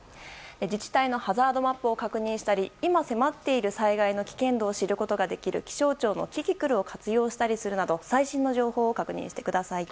自治体のハザードマップを確認したり今迫っている災害の危険度を知ることができる気象庁のキキクルを活用したりするなど最新の情報を確認してください。